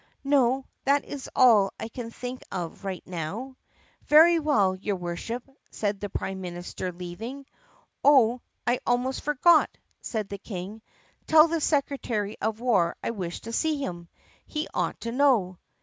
"No, that is all I can think of right now." "Very well, your Worship," said the prime minister leaving. "Oh — I almost forgot!" said the King. "Tell the secretary of war I wish to see him. He ought to know."